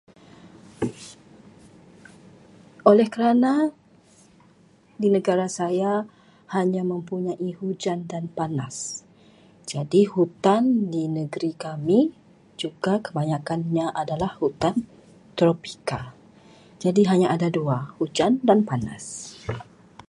Oleh kerana di negara saya hanya mempunyai hujan dan panas, jadi hutan di negeri kami juga kebanyakannya adalah hutan tropika. Jadi hanya ada dua, hujan dan panas.